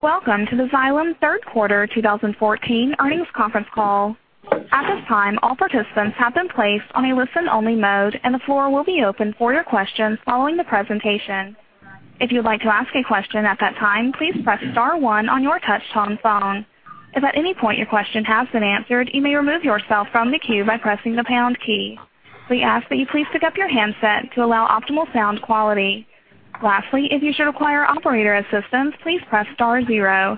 Welcome to the Xylem third quarter 2014 earnings conference call. At this time, all participants have been placed on a listen-only mode, and the floor will be open for your questions following the presentation. If you'd like to ask a question at that time, please press star one on your touchtone phone. If at any point your question has been answered, you may remove yourself from the queue by pressing the pound key. We ask that you please pick up your handset to allow optimal sound quality. Lastly, if you should require operator assistance, please press star zero.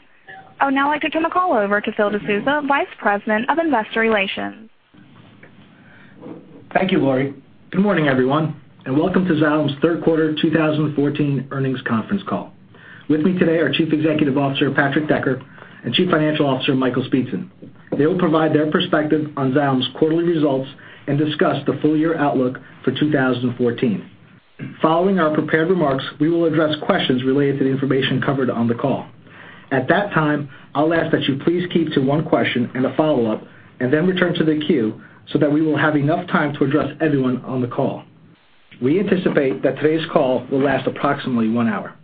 I would now like to turn the call over to Phil DeSouza, Vice President of Investor Relations. Thank you, Lori. Good morning, everyone, and welcome to Xylem's third quarter 2014 earnings conference call. With me today are Chief Executive Officer, Patrick Decker, and Chief Financial Officer, Michael Speetzen. They will provide their perspective on Xylem's quarterly results and discuss the full-year outlook for 2014. Following our prepared remarks, we will address questions related to the information covered on the call. At that time, I'll ask that you please keep to one question and a follow-up and then return to the queue so that we will have enough time to address everyone on the call. We anticipate that today's call will last approximately one hour.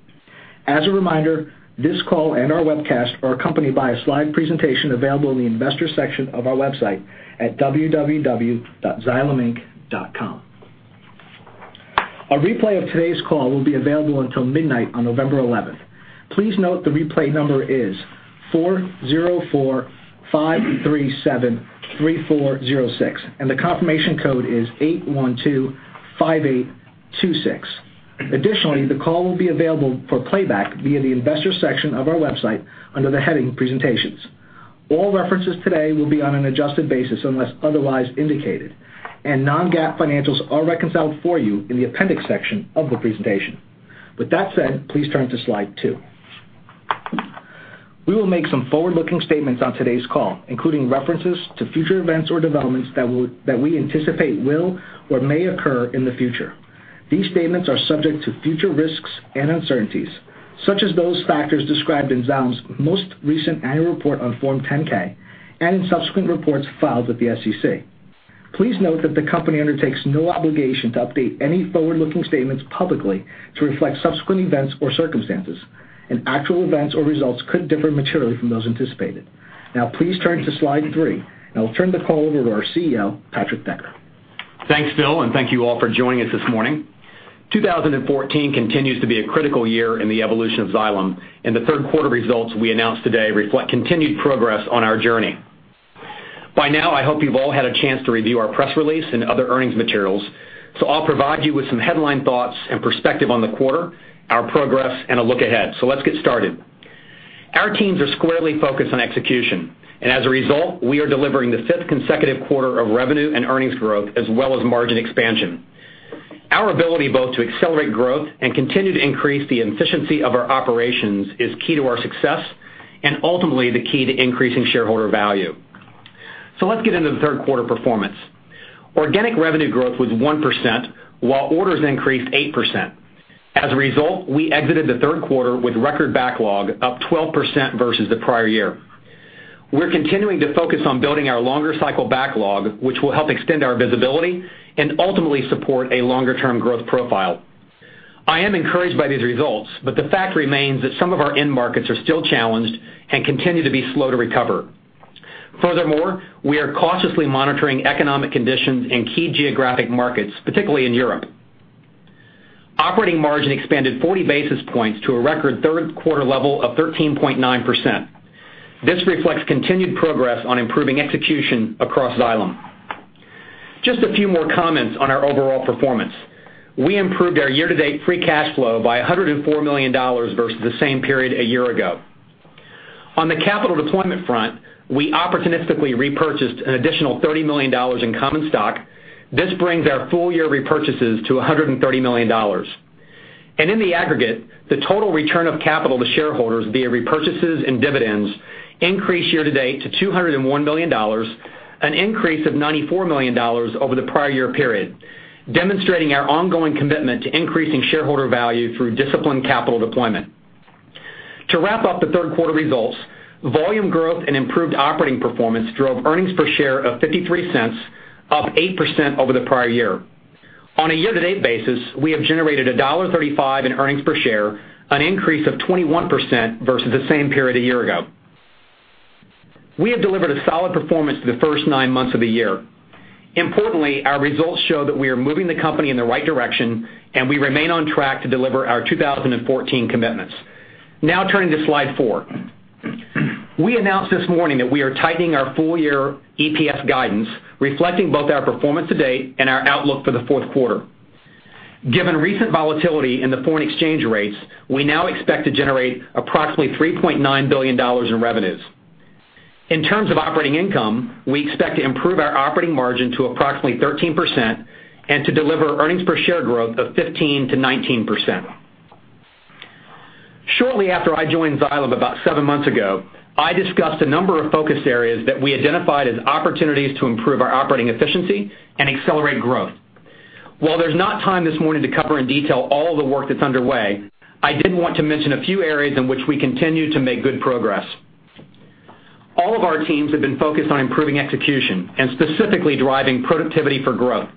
As a reminder, this call and our webcast are accompanied by a slide presentation available in the Investors section of our website at www.xyleminc.com. A replay of today's call will be available until midnight on November 11th. Please note the replay number is 404-537-3406, and the confirmation code is 8125826. Additionally, the call will be available for playback via the Investors section of our website under the heading Presentations. All references today will be on an adjusted basis unless otherwise indicated, and non-GAAP financials are reconciled for you in the Appendix section of the presentation. With that said, please turn to Slide two. We will make some forward-looking statements on today's call, including references to future events or developments that we anticipate will or may occur in the future. These statements are subject to future risks and uncertainties, such as those factors described in Xylem's most recent annual report on Form 10-K and in subsequent reports filed with the SEC. Please note that the company undertakes no obligation to update any forward-looking statements publicly to reflect subsequent events or circumstances, and actual events or results could differ materially from those anticipated. Now please turn to Slide three, and I'll turn the call over to our CEO, Patrick Decker. Thanks, Phil, thank you all for joining us this morning. 2014 continues to be a critical year in the evolution of Xylem, the third quarter results we announced today reflect continued progress on our journey. By now, I hope you've all had a chance to review our press release and other earnings materials, I'll provide you with some headline thoughts and perspective on the quarter, our progress, and a look ahead. Let's get started. Our teams are squarely focused on execution, as a result, we are delivering the fifth consecutive quarter of revenue and earnings growth, as well as margin expansion. Our ability both to accelerate growth and continue to increase the efficiency of our operations is key to our success and ultimately the key to increasing shareholder value. Let's get into the third quarter performance. Organic revenue growth was 1%, while orders increased 8%. As a result, we exited the third quarter with record backlog, up 12% versus the prior year. We're continuing to focus on building our longer cycle backlog, which will help extend our visibility and ultimately support a longer-term growth profile. I am encouraged by these results, the fact remains that some of our end markets are still challenged and continue to be slow to recover. Furthermore, we are cautiously monitoring economic conditions in key geographic markets, particularly in Europe. Operating margin expanded 40 basis points to a record third quarter level of 13.9%. This reflects continued progress on improving execution across Xylem. Just a few more comments on our overall performance. We improved our year-to-date free cash flow by $104 million versus the same period a year ago. On the capital deployment front, we opportunistically repurchased an additional $30 million in common stock. This brings our full-year repurchases to $130 million. In the aggregate, the total return of capital to shareholders via repurchases and dividends increased year to date to $201 million, an increase of $94 million over the prior year period, demonstrating our ongoing commitment to increasing shareholder value through disciplined capital deployment. To wrap up the third quarter results, volume growth and improved operating performance drove earnings per share of $0.53, up 8% over the prior year. On a year-to-date basis, we have generated $1.35 in earnings per share, an increase of 21% versus the same period a year ago. We have delivered a solid performance for the first nine months of the year. Importantly, our results show that we are moving the company in the right direction, we remain on track to deliver our 2014 commitments. Now turning to Slide 4. We announced this morning that we are tightening our full-year EPS guidance, reflecting both our performance to date and our outlook for the fourth quarter. Given recent volatility in the foreign exchange rates, we now expect to generate approximately $3.9 billion in revenues. In terms of operating income, we expect to improve our operating margin to approximately 13% and to deliver earnings per share growth of 15%-19%. Shortly after I joined Xylem about seven months ago, I discussed a number of focus areas that we identified as opportunities to improve our operating efficiency and accelerate growth. While there's not time this morning to cover in detail all the work that's underway, I did want to mention a few areas in which we continue to make good progress. All of our teams have been focused on improving execution and specifically driving productivity for growth.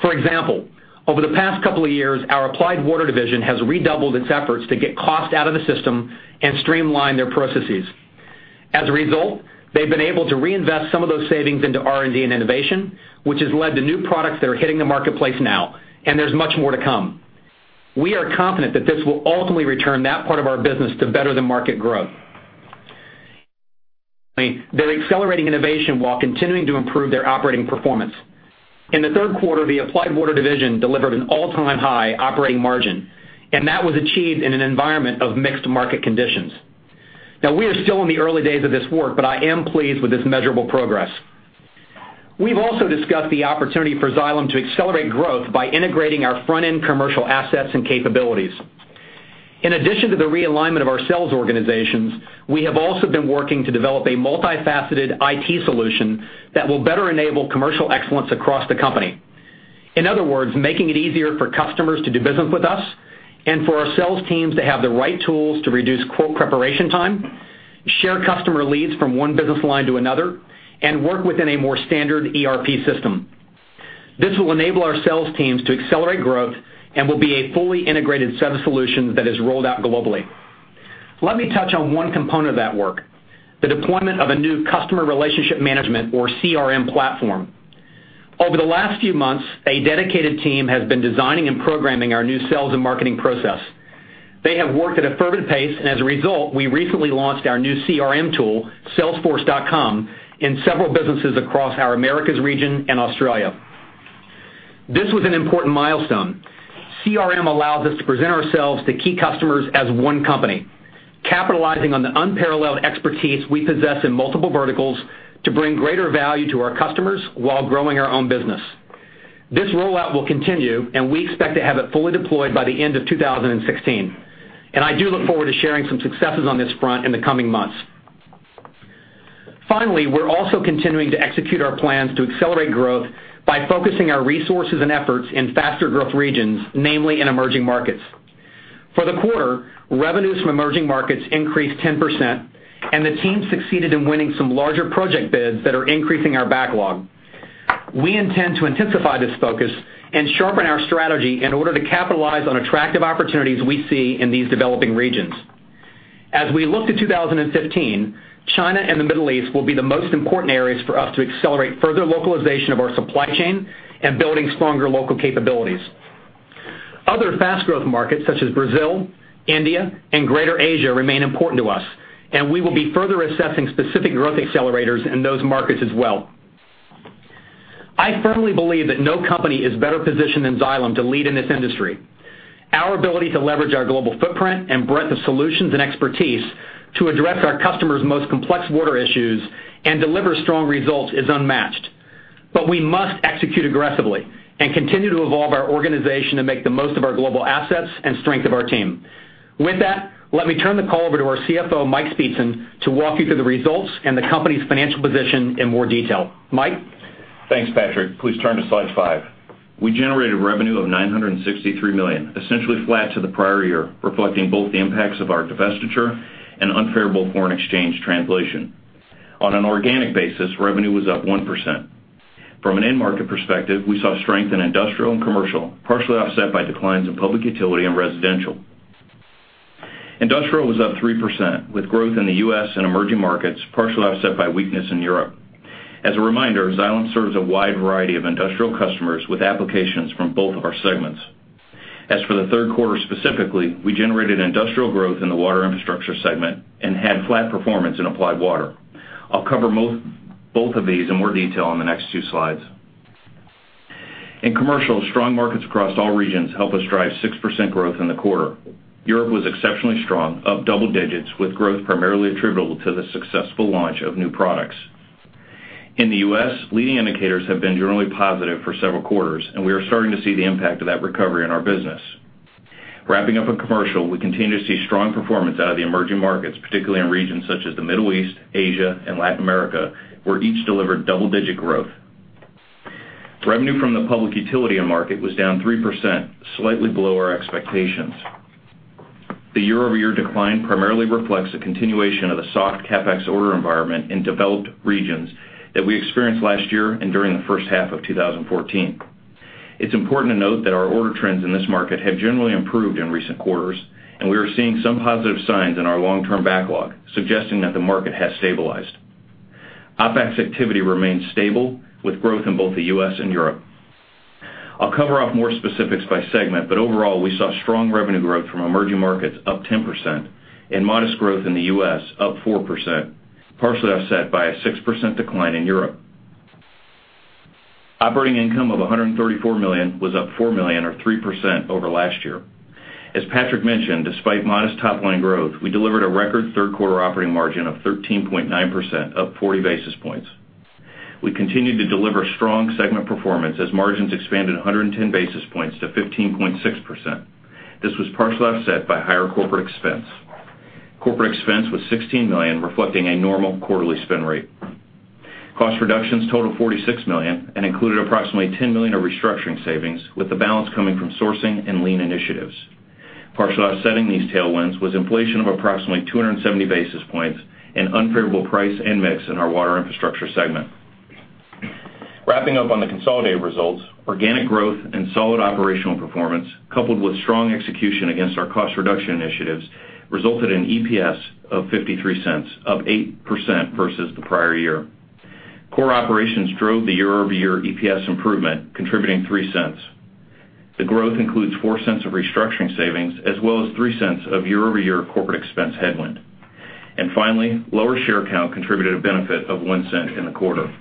For example, over the past couple of years, our Applied Water division has redoubled its efforts to get cost out of the system and streamline their processes. As a result, they've been able to reinvest some of those savings into R&D and innovation, which has led to new products that are hitting the marketplace now, and there's much more to come. We are confident that this will ultimately return that part of our business to better than market growth. They're accelerating innovation while continuing to improve their operating performance. In the third quarter, the Applied Water division delivered an all-time high operating margin. That was achieved in an environment of mixed market conditions. We are still in the early days of this work, but I am pleased with this measurable progress. We've also discussed the opportunity for Xylem to accelerate growth by integrating our front-end commercial assets and capabilities. In addition to the realignment of our sales organizations, we have also been working to develop a multifaceted IT solution that will better enable commercial excellence across the company. In other words, making it easier for customers to do business with us and for our sales teams to have the right tools to reduce quote preparation time, share customer leads from one business line to another, and work within a more standard ERP system. This will enable our sales teams to accelerate growth and will be a fully integrated set of solutions that is rolled out globally. Let me touch on one component of that work, the deployment of a new customer relationship management, or CRM, platform. Over the last few months, a dedicated team has been designing and programming our new sales and marketing process. As a result, we recently launched our new CRM tool, salesforce.com, in several businesses across our Americas region and Australia. This was an important milestone. CRM allows us to present ourselves to key customers as one company, capitalizing on the unparalleled expertise we possess in multiple verticals to bring greater value to our customers while growing our own business. This rollout will continue. We expect to have it fully deployed by the end of 2016. I do look forward to sharing some successes on this front in the coming months. Finally, we're also continuing to execute our plans to accelerate growth by focusing our resources and efforts in faster growth regions, namely in emerging markets. For the quarter, revenues from emerging markets increased 10%. The team succeeded in winning some larger project bids that are increasing our backlog. We intend to intensify this focus and sharpen our strategy in order to capitalize on attractive opportunities we see in these developing regions. As we look to 2015, China and the Middle East will be the most important areas for us to accelerate further localization of our supply chain and building stronger local capabilities. Other fast-growth markets such as Brazil, India, and Greater Asia remain important to us, and we will be further assessing specific growth accelerators in those markets as well. I firmly believe that no company is better positioned than Xylem to lead in this industry. Our ability to leverage our global footprint and breadth of solutions and expertise to address our customers' most complex water issues and deliver strong results is unmatched. We must execute aggressively and continue to evolve our organization to make the most of our global assets and strength of our team. With that, let me turn the call over to our CFO, Mike Speetzen, to walk you through the results and the company's financial position in more detail. Mike? Thanks, Patrick. Please turn to slide five. We generated revenue of $963 million, essentially flat to the prior year, reflecting both the impacts of our divestiture and unfavorable foreign exchange translation. On an organic basis, revenue was up 1%. From an end market perspective, we saw strength in industrial and commercial, partially offset by declines in public utility and residential. Industrial was up 3%, with growth in the U.S. and emerging markets partially offset by weakness in Europe. As a reminder, Xylem serves a wide variety of industrial customers with applications from both of our segments. As for the third quarter specifically, we generated industrial growth in the Water Infrastructure segment and had flat performance in Applied Water. I'll cover both of these in more detail on the next two slides. In commercial, strong markets across all regions help us drive 6% growth in the quarter. Europe was exceptionally strong, up double digits, with growth primarily attributable to the successful launch of new products. In the U.S., leading indicators have been generally positive for several quarters, and we are starting to see the impact of that recovery in our business. Wrapping up on commercial, we continue to see strong performance out of the emerging markets, particularly in regions such as the Middle East, Asia, and Latin America, where each delivered double-digit growth. Revenue from the public utility end market was down 3%, slightly below our expectations. The year-over-year decline primarily reflects the continuation of the soft CapEx order environment in developed regions that we experienced last year and during the first half of 2014. It's important to note that our order trends in this market have generally improved in recent quarters, and we are seeing some positive signs in our long-term backlog, suggesting that the market has stabilized. OpEx activity remains stable, with growth in both the U.S. and Europe. I'll cover off more specifics by segment, but overall, we saw strong revenue growth from emerging markets, up 10%, and modest growth in the U.S., up 4%, partially offset by a 6% decline in Europe. Operating income of $134 million was up $4 million, or 3%, over last year. As Patrick mentioned, despite modest top-line growth, we delivered a record third quarter operating margin of 13.9%, up 40 basis points. We continued to deliver strong segment performance as margins expanded 110 basis points to 15.6%. This was partially offset by higher corporate expense. Corporate expense was $16 million, reflecting a normal quarterly spend rate. Cost reductions total $46 million and included approximately $10 million of restructuring savings, with the balance coming from sourcing and Lean initiatives. Partially offsetting these tailwinds was inflation of approximately 270 basis points and unfavorable price and mix in our Water Infrastructure segment. Wrapping up on the consolidated results, organic growth and solid operational performance, coupled with strong execution against our cost reduction initiatives, resulted in EPS of $0.53, up 8% versus the prior year. Core operations drove the year-over-year EPS improvement, contributing $0.03. The growth includes $0.04 of restructuring savings as well as $0.03 of year-over-year corporate expense headwind. Finally, lower share count contributed a benefit of $0.01 in the quarter.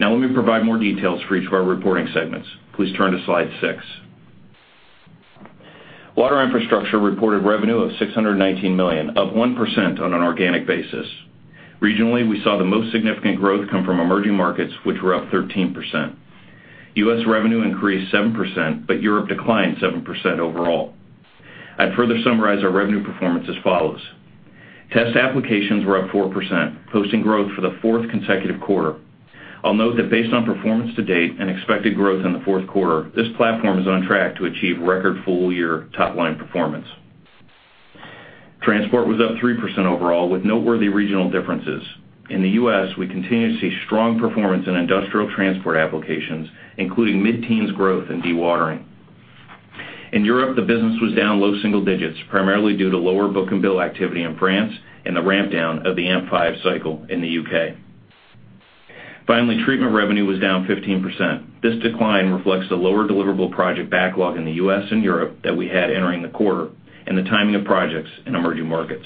Now let me provide more details for each of our reporting segments. Please turn to Slide six. Water Infrastructure reported revenue of $619 million, up 1% on an organic basis. Regionally, we saw the most significant growth come from emerging markets, which were up 13%. U.S. revenue increased 7%. Europe declined 7% overall. I'd further summarize our revenue performance as follows. Test applications were up 4%, posting growth for the fourth consecutive quarter. I'll note that based on performance to date and expected growth in the fourth quarter, this platform is on track to achieve record full-year top-line performance. Transport was up 3% overall, with noteworthy regional differences. In the U.S., we continue to see strong performance in industrial transport applications, including mid-teens growth in dewatering. In Europe, the business was down low single digits, primarily due to lower book-and-bill activity in France and the ramp-down of the AMP5 cycle in the U.K. Finally, treatment revenue was down 15%. This decline reflects the lower deliverable project backlog in the U.S. and Europe that we had entering the quarter and the timing of projects in emerging markets.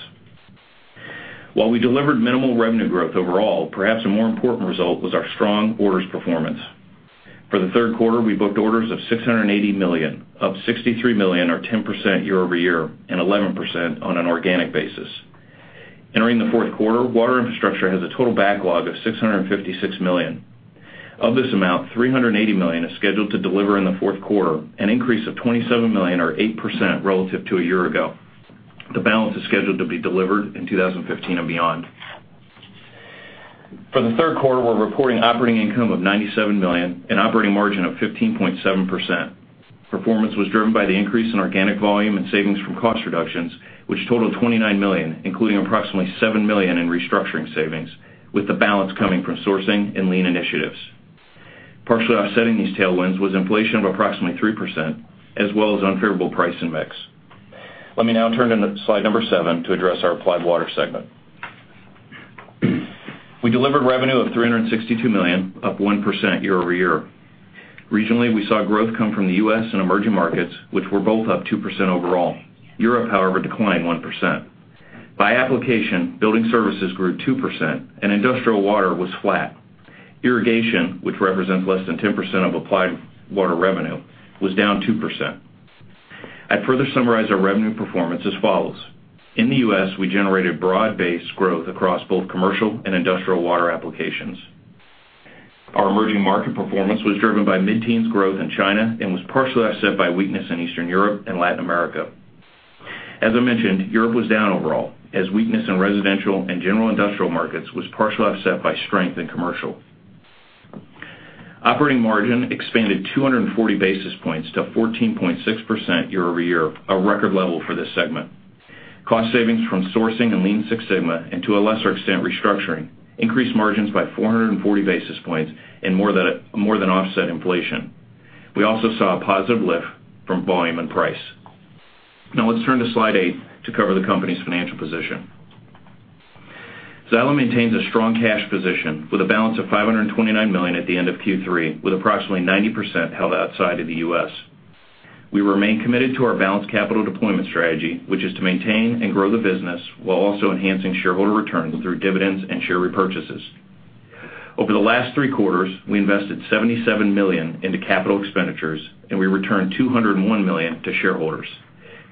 While we delivered minimal revenue growth overall, perhaps a more important result was our strong orders performance. For the third quarter, we booked orders of $680 million, up $63 million or 10% year-over-year and 11% on an organic basis. Entering the fourth quarter, Water Infrastructure has a total backlog of $656 million. Of this amount, $380 million is scheduled to deliver in the fourth quarter, an increase of $27 million or 8% relative to a year ago. The balance is scheduled to be delivered in 2015 and beyond. For the third quarter, we're reporting operating income of $97 million and operating margin of 15.7%. Performance was driven by the increase in organic volume and savings from cost reductions, which totaled $29 million including approximately $7 million in restructuring savings, with the balance coming from sourcing and Lean initiatives. Partially offsetting these tailwinds was inflation of approximately 3% as well as unfavorable price in mix. Let me now turn to Slide number seven to address our Applied Water Systems segment. We delivered revenue of $362 million, up 1% year-over-year. Regionally, we saw growth come from the U.S. and emerging markets, which were both up 2% overall. Europe, however, declined 1%. By application, building services grew 2% and industrial water was flat. Irrigation, which represents less than 10% of Applied Water Systems revenue, was down 2%. I'd further summarize our revenue performance as follows. In the U.S., we generated broad-based growth across both commercial and industrial water applications. Our emerging market performance was driven by mid-teens growth in China and was partially offset by weakness in Eastern Europe and Latin America. As I mentioned, Europe was down overall, as weakness in residential and general industrial markets was partially offset by strength in commercial. Operating margin expanded 240 basis points to 14.6% year-over-year, a record level for this segment. Cost savings from sourcing and Lean Six Sigma, and to a lesser extent, restructuring, increased margins by 440 basis points and more than offset inflation. We also saw a positive lift from volume and price. Let's turn to Slide 8 to cover the company's financial position. Xylem maintains a strong cash position with a balance of $529 million at the end of Q3, with approximately 90% held outside of the U.S. We remain committed to our balanced capital deployment strategy, which is to maintain and grow the business while also enhancing shareholder returns through dividends and share repurchases. Over the last three quarters, we invested $77 million into capital expenditures, and we returned $201 million to shareholders.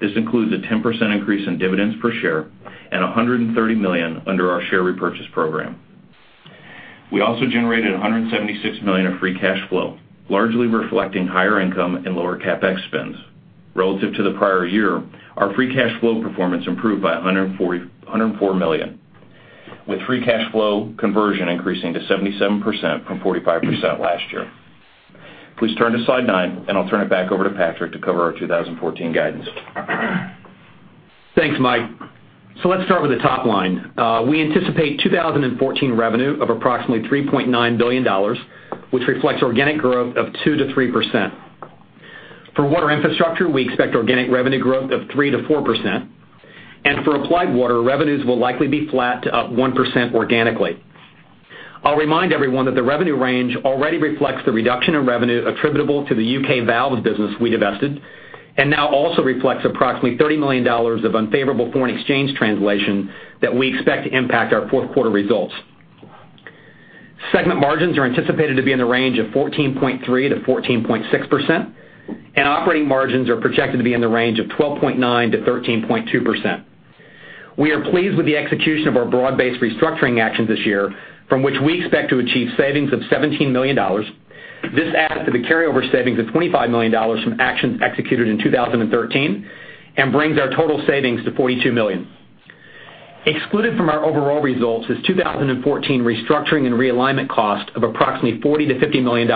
This includes a 10% increase in dividends per share and $130 million under our share repurchase program. We also generated $176 million of free cash flow, largely reflecting higher income and lower CapEx spends. Relative to the prior year, our free cash flow performance improved by $104 million, with free cash flow conversion increasing to 77% from 45% last year. Please turn to Slide 9, and I'll turn it back over to Patrick to cover our 2014 guidance. Thanks, Mike. Let's start with the top line. We anticipate 2014 revenue of approximately $3.9 billion, which reflects organic growth of 2%-3%. For Water Infrastructure, we expect organic revenue growth of 3%-4%, and for Applied Water, revenues will likely be flat to up 1% organically. I'll remind everyone that the revenue range already reflects the reduction in revenue attributable to the U.K. Valves business we divested and now also reflects approximately $30 million of unfavorable foreign exchange translation that we expect to impact our fourth quarter results. Segment margins are anticipated to be in the range of 14.3%-14.6%, and operating margins are projected to be in the range of 12.9%-13.2%. We are pleased with the execution of our broad-based restructuring actions this year, from which we expect to achieve savings of $17 million. This adds to the carryover savings of $25 million from actions executed in 2013 and brings our total savings to $42 million. Excluded from our overall results is 2014 restructuring and realignment cost of approximately $40 million-$50 million.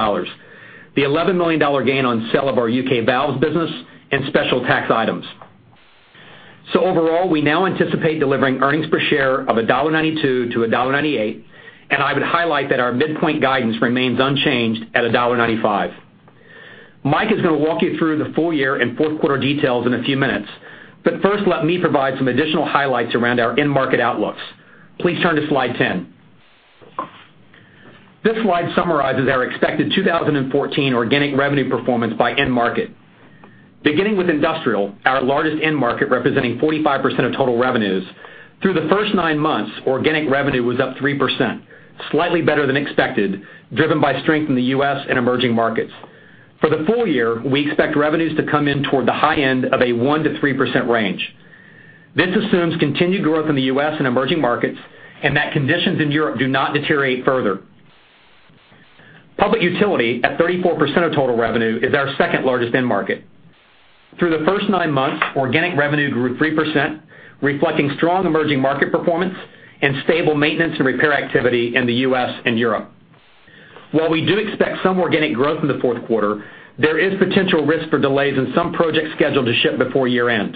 The $11 million gain on sale of our U.K. Valves business and special tax items. Overall, we now anticipate delivering earnings per share of $1.92-$1.98, and I would highlight that our midpoint guidance remains unchanged at $1.95. Mike is going to walk you through the full year and fourth quarter details in a few minutes, but first let me provide some additional highlights around our end market outlooks. Please turn to Slide 10. This slide summarizes our expected 2014 organic revenue performance by end market. Beginning with industrial, our largest end market, representing 45% of total revenues. Through the first nine months, organic revenue was up 3%, slightly better than expected, driven by strength in the U.S. and emerging markets. For the full year, we expect revenues to come in toward the high end of a 1%-3% range. This assumes continued growth in the U.S. and emerging markets, and that conditions in Europe do not deteriorate further. Public utility, at 34% of total revenue, is our second largest end market. Through the first nine months, organic revenue grew 3%, reflecting strong emerging market performance and stable maintenance and repair activity in the U.S. and Europe. We do expect some organic growth in the fourth quarter, there is potential risk for delays in some projects scheduled to ship before year-end.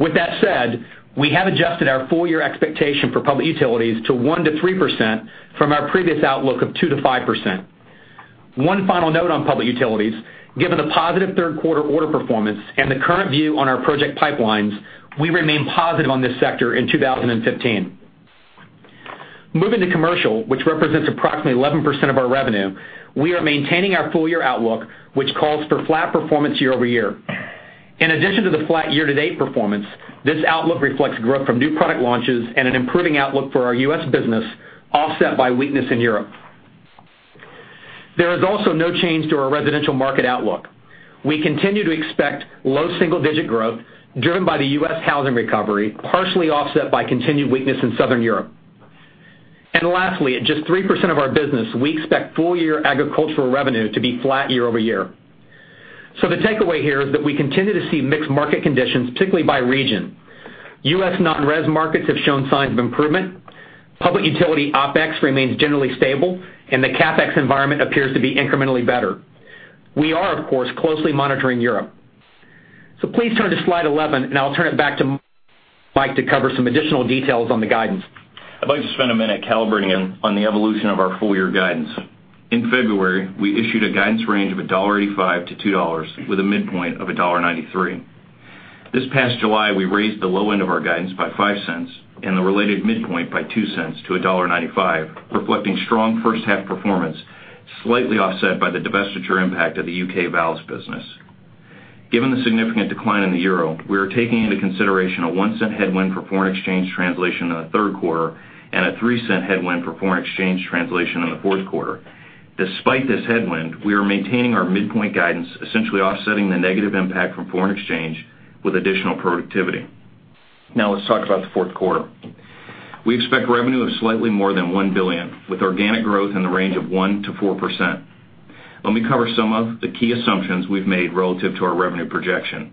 With that said, we have adjusted our full year expectation for public utilities to 1%-3% from our previous outlook of 2%-5%. One final note on public utilities. Given the positive third quarter order performance and the current view on our project pipelines, we remain positive on this sector in 2015. Moving to commercial, which represents approximately 11% of our revenue, we are maintaining our full year outlook, which calls for flat performance year-over-year. In addition to the flat year-to-date performance, this outlook reflects growth from new product launches and an improving outlook for our U.S. business, offset by weakness in Europe. There is also no change to our residential market outlook. We continue to expect low single-digit growth driven by the U.S. housing recovery, partially offset by continued weakness in Southern Europe. Lastly, at just 3% of our business, we expect full year agricultural revenue to be flat year-over-year. The takeaway here is that we continue to see mixed market conditions, particularly by region. U.S. non-res markets have shown signs of improvement. Public utility OpEx remains generally stable, and the CapEx environment appears to be incrementally better. We are, of course, closely monitoring Europe. Please turn to slide 11, and I'll turn it back to Mike to cover some additional details on the guidance. I'd like to spend a minute calibrating on the evolution of our full year guidance. In February, we issued a guidance range of $1.85-$2 with a midpoint of $1.93. This past July, we raised the low end of our guidance by $0.05 and the related midpoint by $0.02 to $1.95, reflecting strong first half performance, slightly offset by the divestiture impact of the UK Valves business. Given the significant decline in the euro, we are taking into consideration a $0.01 headwind for foreign exchange translation in the third quarter and a $0.03 headwind for foreign exchange translation in the fourth quarter. Despite this headwind, we are maintaining our midpoint guidance, essentially offsetting the negative impact from foreign exchange with additional productivity. Let's talk about the fourth quarter. We expect revenue of slightly more than $1 billion, with organic growth in the range of 1%-4%. Let me cover some of the key assumptions we've made relative to our revenue projection.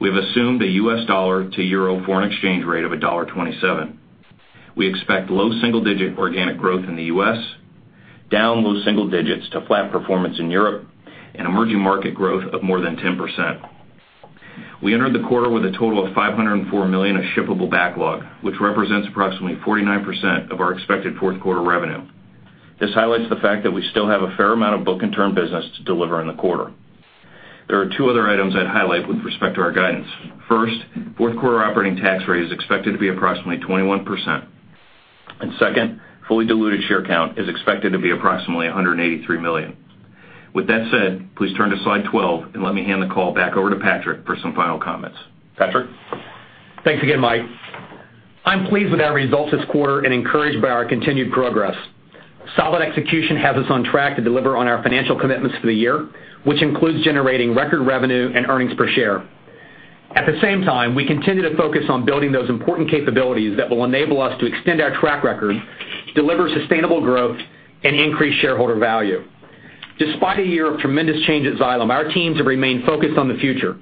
We have assumed a U.S. dollar to EUR foreign exchange rate of EUR 1.27. We expect low single-digit organic growth in the U.S., down low single digits to flat performance in Europe, and emerging market growth of more than 10%. We entered the quarter with a total of $504 million of shippable backlog, which represents approximately 49% of our expected fourth quarter revenue. This highlights the fact that we still have a fair amount of book-and-turn business to deliver in the quarter. There are two other items I'd highlight with respect to our guidance. First, fourth quarter operating tax rate is expected to be approximately 21%. Second, fully diluted share count is expected to be approximately 183 million. With that said, please turn to slide 12 and let me hand the call back over to Patrick for some final comments. Patrick? Thanks again, Mike. I'm pleased with our results this quarter and encouraged by our continued progress. Solid execution has us on track to deliver on our financial commitments for the year, which includes generating record revenue and earnings per share. At the same time, we continue to focus on building those important capabilities that will enable us to extend our track record, deliver sustainable growth, and increase shareholder value. Despite a year of tremendous change at Xylem, our teams have remained focused on the future,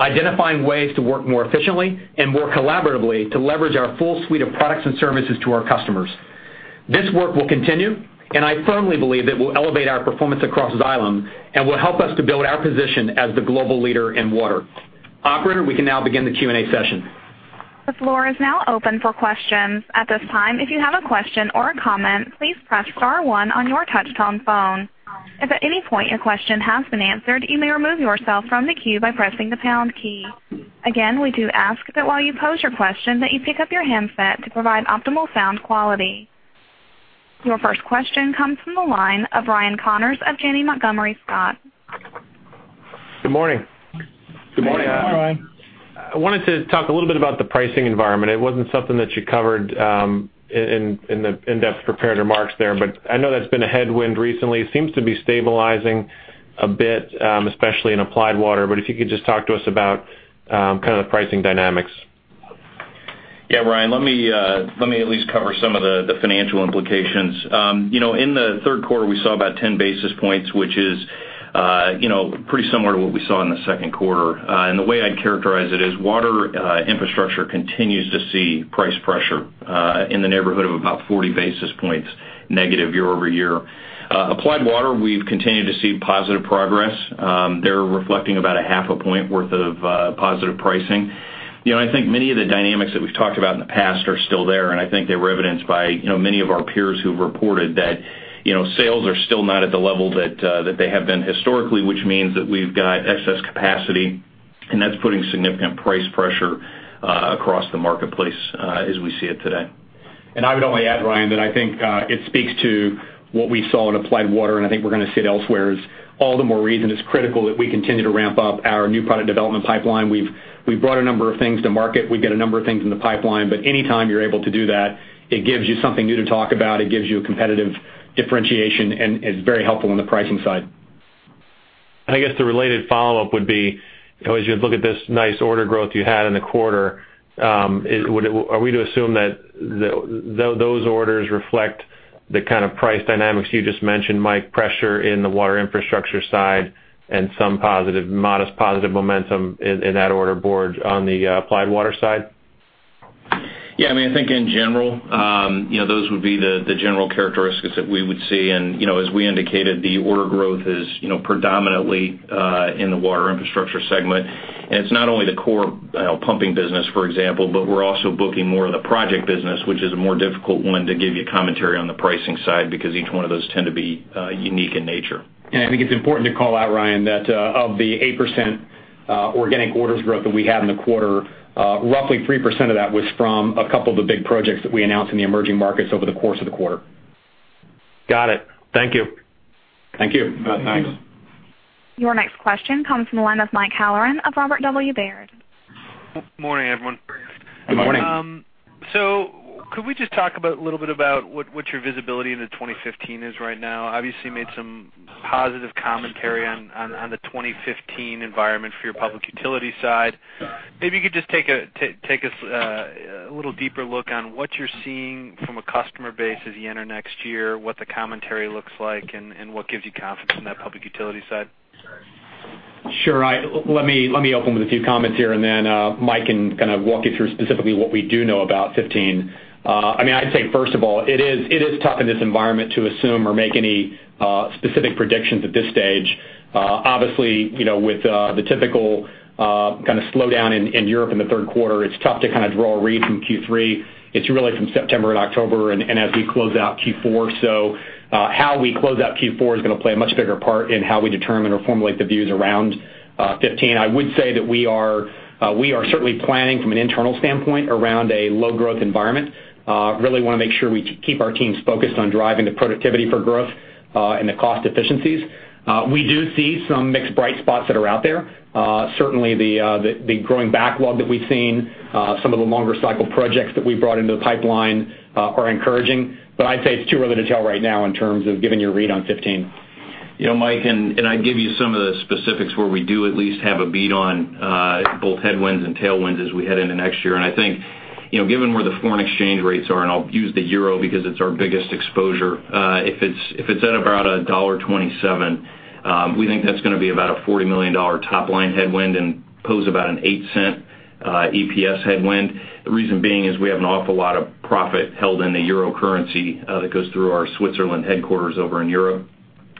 identifying ways to work more efficiently and more collaboratively to leverage our full suite of products and services to our customers. This work will continue, and I firmly believe it will elevate our performance across Xylem and will help us to build our position as the global leader in water. Operator, we can now begin the Q&A session. The floor is now open for questions. At this time, if you have a question or a comment, please press star one on your touch-tone phone. If at any point your question has been answered, you may remove yourself from the queue by pressing the pound key. Again, we do ask that while you pose your question that you pick up your handset to provide optimal sound quality. Your first question comes from the line of Ryan Connors of Janney Montgomery Scott. Good morning. Good morning. Good morning. I wanted to talk a little bit about the pricing environment. It wasn't something that you covered in the in-depth prepared remarks there, but I know that's been a headwind recently. It seems to be stabilizing a bit, especially in Applied Water. If you could just talk to us about kind of the pricing dynamics. Ryan, let me at least cover some of the financial implications. In the third quarter, we saw about 10 basis points, which is pretty similar to what we saw in the second quarter. The way I'd characterize it is Water Infrastructure continues to see price pressure, in the neighborhood of about 40 basis points negative year-over-year. Applied Water, we've continued to see positive progress. They're reflecting about a half a point worth of positive pricing. I think many of the dynamics that we've talked about in the past are still there, and I think they were evidenced by many of our peers who've reported that sales are still not at the level that they have been historically, which means that we've got excess capacity, and that's putting significant price pressure across the marketplace as we see it today. I would only add, Ryan, that I think it speaks to what we saw in Applied Water, and I think we're going to see it elsewhere, is all the more reason it's critical that we continue to ramp up our new product development pipeline. We've brought a number of things to market. We've got a number of things in the pipeline. Anytime you're able to do that, it gives you something new to talk about. It gives you a competitive differentiation and is very helpful on the pricing side. I guess the related follow-up would be, as you look at this nice order growth you had in the quarter, are we to assume that those orders reflect the kind of price dynamics you just mentioned, Mike, pressure in the Water Infrastructure side and some modest positive momentum in that order board on the Applied Water side? Yeah, I think in general, those would be the general characteristics that we would see. As we indicated, the order growth is predominantly in the Water Infrastructure segment. It's not only the core pumping business, for example, but we're also booking more of the project business, which is a more difficult one to give you commentary on the pricing side, because each one of those tend to be unique in nature. I think it's important to call out, Ryan, that of the 8% organic orders growth that we had in the quarter, roughly 3% of that was from a couple of the big projects that we announced in the emerging markets over the course of the quarter. Got it. Thank you. Thank you. Thanks. Your next question comes from the line of Mike Halloran of Robert W. Baird. Morning, everyone. Good morning. Good morning. Could we just talk a little bit about what your visibility into 2015 is right now? Obviously, you made some positive commentary on the 2015 environment for your public utility side. Maybe you could just take us a little deeper look on what you're seeing from a customer base as you enter next year, what the commentary looks like, and what gives you confidence in that public utility side. Sure. Let me open with a few comments here, and then Mike can walk you through specifically what we do know about 2015. I'd say, first of all, it is tough in this environment to assume or make any specific predictions at this stage. Obviously, with the typical kind of slowdown in Europe in the third quarter, it's tough to draw a read from Q3. It's really from September and October and as we close out Q4. How we close out Q4 is going to play a much bigger part in how we determine or formulate the views around 2015. I would say that we are certainly planning from an internal standpoint around a low growth environment. Really want to make sure we keep our teams focused on driving the productivity for growth and the cost efficiencies. We do see some mixed bright spots that are out there. Certainly the growing backlog that we've seen, some of the longer cycle projects that we've brought into the pipeline are encouraging. I'd say it's too early to tell right now in terms of giving you a read on 2015. Mike, I'd give you some of the specifics where we do at least have a bead on both headwinds and tailwinds as we head into next year. I think, given where the foreign exchange rates are, I'll use the euro because it's our biggest exposure. If it's at about $1.27, we think that's going to be about a $40 million top-line headwind and pose about a $0.08 EPS headwind. The reason being is we have an awful lot of profit held in the euro currency that goes through our Switzerland headquarters over in Europe.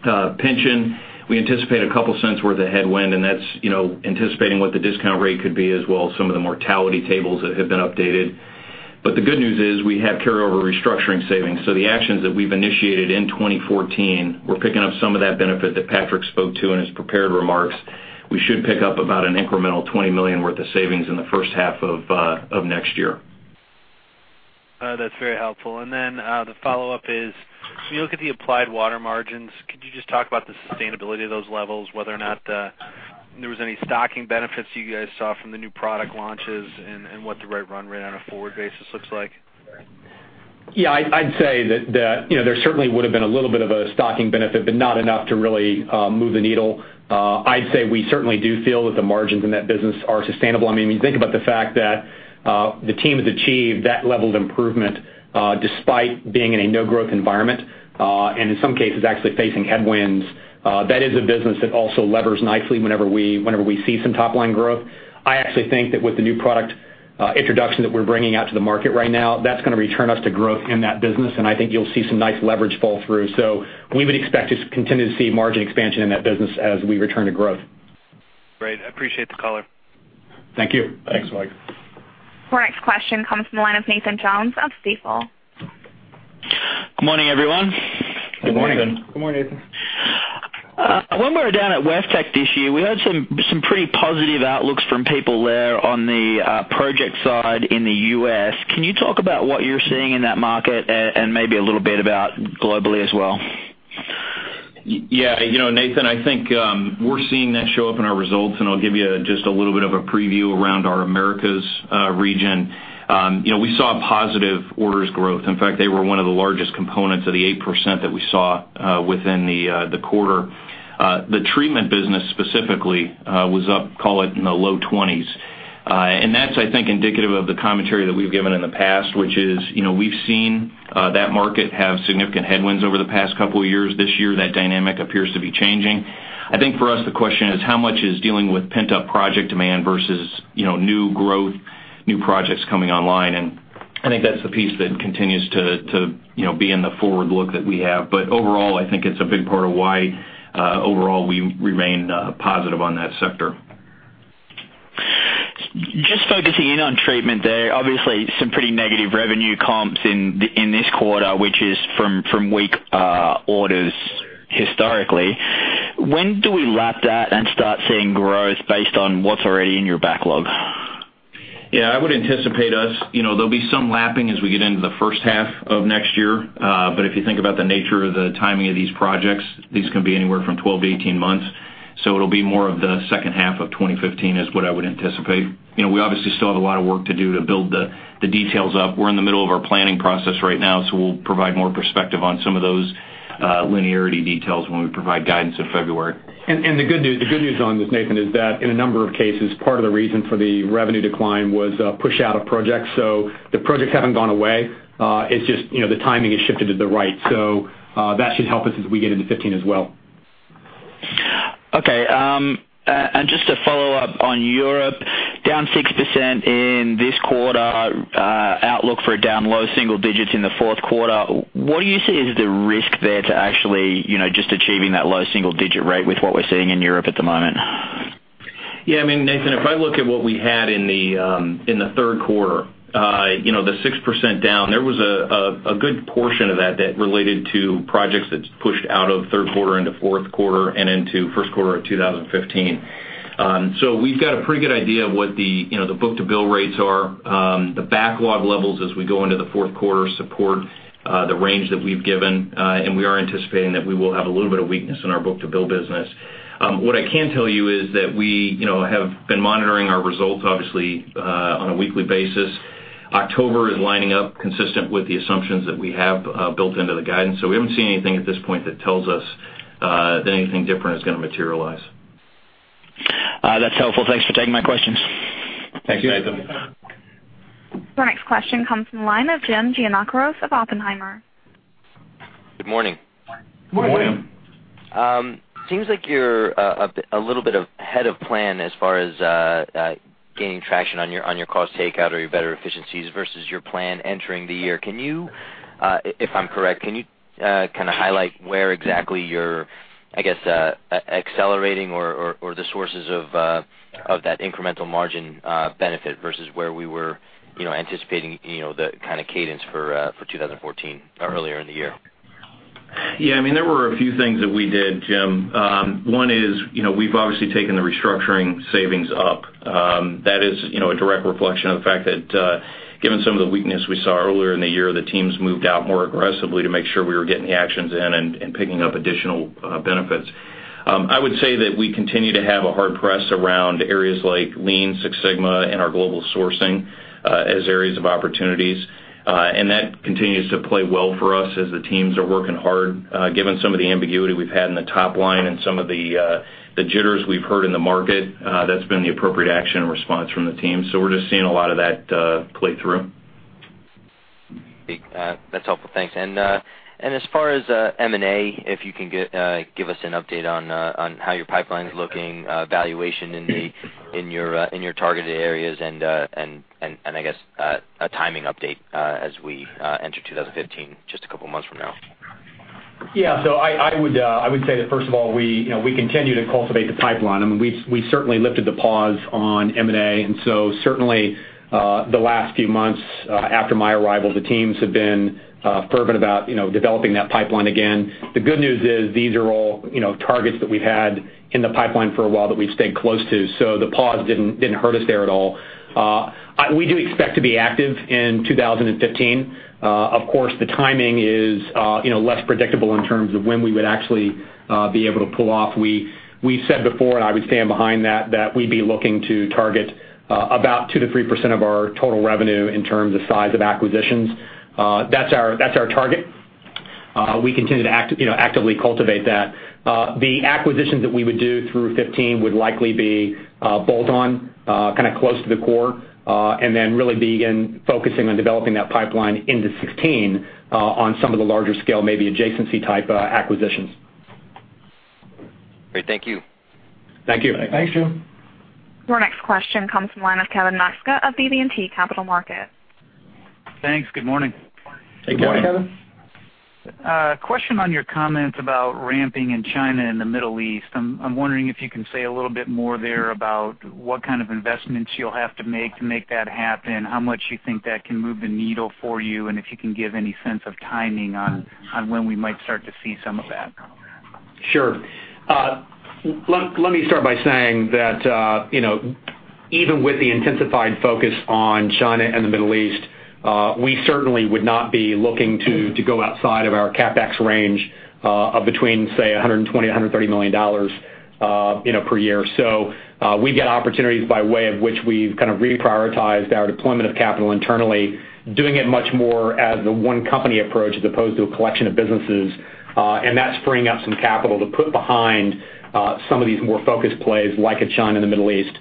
Pension, we anticipate about a $0.02 worth of headwind, and that's anticipating what the discount rate could be as well as some of the mortality tables that have been updated. The good news is we have carryover restructuring savings. The actions that we've initiated in 2014, we're picking up some of that benefit that Patrick spoke to in his prepared remarks. We should pick up about an incremental $20 million worth of savings in the first half of next year. That's very helpful. The follow-up is, when you look at the Applied Water margins, could you just talk about the sustainability of those levels, whether or not there was any stocking benefits you guys saw from the new product launches and what the right run rate on a forward basis looks like? I'd say that there certainly would have been a little bit of a stocking benefit, but not enough to really move the needle. I'd say we certainly do feel that the margins in that business are sustainable. When you think about the fact that the team has achieved that level of improvement despite being in a no-growth environment, and in some cases, actually facing headwinds, that is a business that also levers nicely whenever we see some top-line growth. I actually think that with the new product introduction that we're bringing out to the market right now, that's going to return us to growth in that business, and I think you'll see some nice leverage fall through. We would expect to continue to see margin expansion in that business as we return to growth. Great. I appreciate the color. Thank you. Thanks, Mike. Your next question comes from the line of Nathan Jones of Stifel. Good morning, everyone. Good morning. Good morning. When we were down at WEFTEC this year, we heard some pretty positive outlooks from people there on the project side in the U.S. Can you talk about what you're seeing in that market and maybe a little bit about globally as well? Yeah, Nathan, I think we're seeing that show up in our results, and I'll give you just a little bit of a preview around our Americas region. We saw positive orders growth. In fact, they were one of the largest components of the 8% that we saw within the quarter. The treatment business specifically was up, call it in the low 20s. That's, I think, indicative of the commentary that we've given in the past, which is we've seen that market have significant headwinds over the past couple of years. This year, that dynamic appears to be changing. I think for us, the question is how much is dealing with pent-up project demand versus new growth, new projects coming online. That's the piece that continues to be in the forward look that we have. Overall, I think it's a big part of why overall we remain positive on that sector. Just focusing in on treatment there, obviously some pretty negative revenue comps in this quarter, which is from weak orders historically. When do we lap that and start seeing growth based on what's already in your backlog? Yeah, I would anticipate there'll be some lapping as we get into the first half of next year. If you think about the nature of the timing of these projects, these can be anywhere from 12-18 months. It'll be more of the second half of 2015 is what I would anticipate. We obviously still have a lot of work to do to build the details up. We're in the middle of our planning process right now, so we'll provide more perspective on some of those linearity details when we provide guidance in February. The good news on this, Nathan, is that in a number of cases, part of the reason for the revenue decline was a push out of projects. The projects haven't gone away, it's just the timing has shifted to the right. That should help us as we get into 2015 as well. Okay. Just to follow up on Europe, down 6% in this quarter, outlook for down low single digits in the fourth quarter. What do you see is the risk there to actually just achieving that low single-digit rate with what we're seeing in Europe at the moment? Nathan, if I look at what we had in the third quarter, the 6% down, there was a good portion of that related to projects that's pushed out of third quarter into fourth quarter and into first quarter of 2015. We've got a pretty good idea of what the book-to-bill rates are. The backlog levels as we go into the fourth quarter support the range that we've given. We are anticipating that we will have a little bit of weakness in our book-to-bill business. What I can tell you is that we have been monitoring our results, obviously, on a weekly basis. October is lining up consistent with the assumptions that we have built into the guidance. We haven't seen anything at this point that tells us that anything different is going to materialize. That's helpful. Thanks for taking my questions. Thanks, Nathan. Thanks. Our next question comes from the line of Jim Giannakis of Oppenheimer. Good morning. Good morning. Good morning. Seems like you're a little bit ahead of plan as far as gaining traction on your cost takeout or your better efficiencies versus your plan entering the year. If I'm correct, can you kind of highlight where exactly you're, I guess, accelerating or the sources of that incremental margin benefit versus where we were anticipating the kind of cadence for 2014 earlier in the year? Yeah, there were a few things that we did, Jim. One is, we've obviously taken the restructuring savings up. That is a direct reflection of the fact that given some of the weakness we saw earlier in the year, the teams moved out more aggressively to make sure we were getting the actions in and picking up additional benefits. I would say that we continue to have a hard press around areas like Lean, Six Sigma, and our global sourcing as areas of opportunities. That continues to play well for us as the teams are working hard. Given some of the ambiguity we've had in the top line and some of the jitters we've heard in the market, that's been the appropriate action and response from the team. We're just seeing a lot of that play through. That's helpful. Thanks. As far as M&A, if you can give us an update on how your pipeline is looking, valuation in your targeted areas and I guess, a timing update as we enter 2015, just a couple of months from now. Yeah. I would say that, first of all, we continue to cultivate the pipeline. We certainly lifted the pause on M&A, and so certainly, the last few months after my arrival, the teams have been fervent about developing that pipeline again. The good news is these are all targets that we've had in the pipeline for a while that we've stayed close to. The pause didn't hurt us there at all. We do expect to be active in 2015. Of course, the timing is less predictable in terms of when we would actually be able to pull off. We said before, and I would stand behind that we'd be looking to target about 2%-3% of our total revenue in terms of size of acquisitions. That's our target. We continue to actively cultivate that. The acquisitions that we would do through 2015 would likely be bolt-on, kind of close to the core, and then really begin focusing on developing that pipeline into 2016 on some of the larger scale, maybe adjacency-type acquisitions. Great. Thank you. Thank you. Thanks, Jim. Our next question comes from the line of Kevin Maczka of BB&T Capital Markets. Thanks. Good morning. Hey, Kevin. Good morning. Question on your comments about ramping in China and the Middle East. I'm wondering if you can say a little bit more there about what kind of investments you'll have to make to make that happen, how much you think that can move the needle for you, and if you can give any sense of timing on when we might start to see some of that. Sure. Let me start by saying that even with the intensified focus on China and the Middle East, we certainly would not be looking to go outside of our CapEx range of between, say, $120 million-$130 million per year. We get opportunities by way of which we've reprioritized our deployment of capital internally, doing it much more as the one company approach as opposed to a collection of businesses. That's freeing up some capital to put behind some of these more focused plays like China and the Middle East.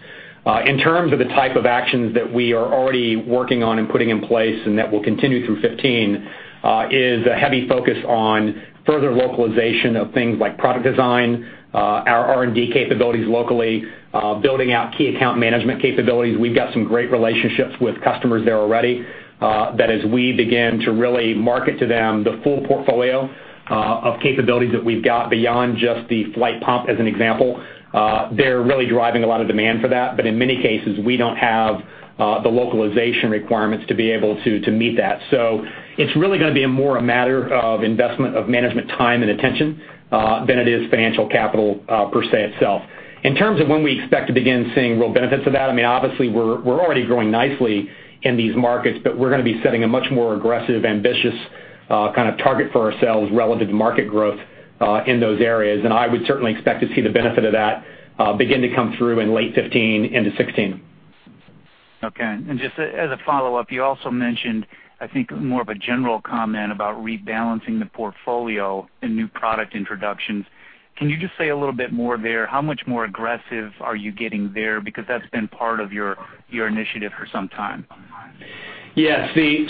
In terms of the type of actions that we are already working on and putting in place, that will continue through 2015, is a heavy focus on further localization of things like product design, our R&D capabilities locally, building out key account management capabilities. We've got some great relationships with customers there already, that as we begin to really market to them the full portfolio of capabilities that we've got beyond just the Flygt pump, as an example, they're really driving a lot of demand for that. In many cases, we don't have the localization requirements to be able to meet that. It's really going to be more a matter of investment of management time and attention, than it is financial capital, per se, itself. In terms of when we expect to begin seeing real benefits of that, obviously, we're already growing nicely in these markets, but we're going to be setting a much more aggressive, ambitious kind of target for ourselves relative to market growth, in those areas. I would certainly expect to see the benefit of that begin to come through in late 2015 into 2016. Okay. Just as a follow-up, you also mentioned, I think more of a general comment about rebalancing the portfolio and new product introductions. Can you just say a little bit more there? How much more aggressive are you getting there? Because that's been part of your initiative for some time. Yes. We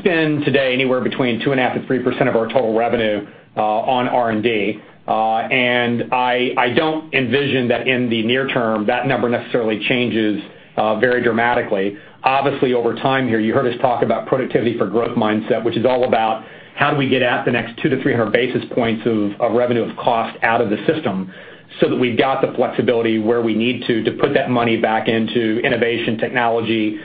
spend today anywhere between 2.5%-3% of our total revenue on R&D. I don't envision that in the near term, that number necessarily changes very dramatically. Obviously, over time here, you heard us talk about productivity for growth mindset, which is all about how do we get at the next 200-300 basis points of revenue of cost out of the system so that we've got the flexibility where we need to put that money back into innovation technology,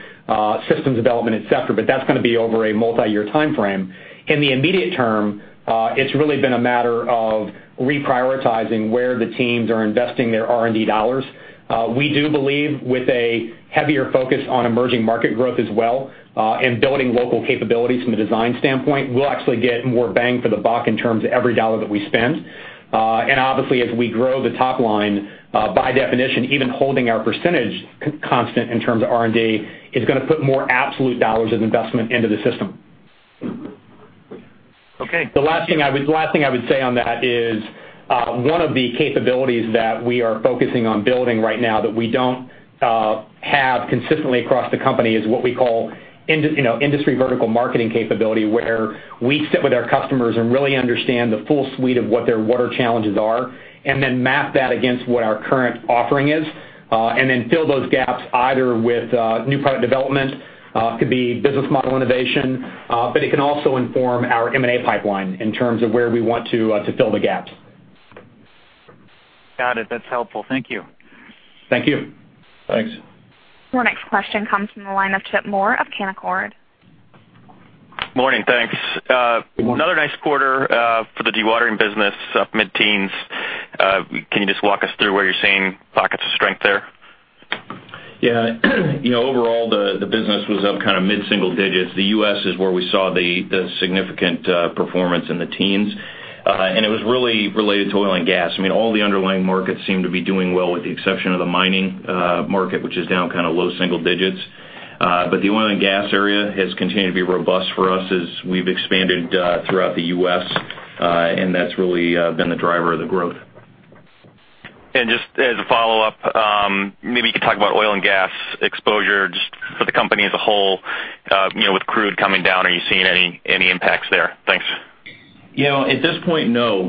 systems development, et cetera. That's going to be over a multiyear timeframe. In the immediate term, it's really been a matter of reprioritizing where the teams are investing their R&D dollars. We do believe with a heavier focus on emerging market growth as well, and building local capabilities from a design standpoint, we'll actually get more bang for the buck in terms of every $ that we spend. Obviously, as we grow the top line, by definition, even holding our % constant in terms of R&D, is going to put more absolute $ of investment into the system. Okay. The last thing I would say on that is, one of the capabilities that we are focusing on building right now that we don't have consistently across the company is what we call Industry Vertical Marketing capability, where we sit with our customers and really understand the full suite of what their water challenges are, and then map that against what our current offering is. Then fill those gaps either with new product development, could be business model innovation, it can also inform our M&A pipeline in terms of where we want to fill the gaps. Got it. That's helpful. Thank you. Thank you. Thanks. Your next question comes from the line of Chip Moore of Canaccord. Morning. Thanks. Good morning. Another nice quarter, for the dewatering business, up mid-teens. Can you just walk us through where you're seeing pockets of strength there? Yeah. Overall, the business was up kind of mid-single digits. The U.S. is where we saw the significant performance in the teens. It was really related to oil and gas. All the underlying markets seem to be doing well with the exception of the mining market, which is down kind of low single digits. The oil and gas area has continued to be robust for us as we've expanded throughout the U.S., and that's really been the driver of the growth. Just as a follow-up, maybe you could talk about oil and gas exposure just for the company as a whole. With crude coming down, are you seeing any impacts there? Thanks. At this point, no.